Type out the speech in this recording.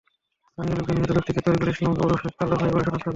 স্থানীয় লোকজন নিহত ব্যক্তিকে তরিকুল ইসলাম ওরফে কালা ভাই বলে শনাক্ত করেন।